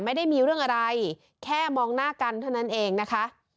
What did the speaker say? ไม่ได้มีเรื่องอะไรแค่มองหน้ากันเท่านั้นเองนะคะ